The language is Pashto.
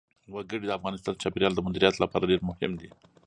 وګړي د افغانستان د چاپیریال د مدیریت لپاره ډېر مهم دي.